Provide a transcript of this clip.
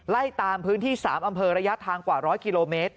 ไล่ตามพื้นที่๓อำเภอระยะทางกว่า๑๐๐กิโลเมตร